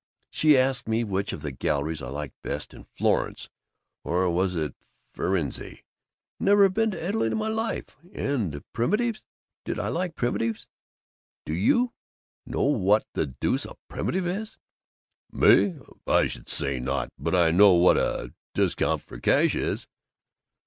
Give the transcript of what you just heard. " she asked me which of the galleries I liked best in Florence. Or was it in Firenze? Never been in Italy in my life! And primitives. Did I like primitives. Do you know what the deuce a primitive is?" "Me? I should say not! But I know what a discount for cash is."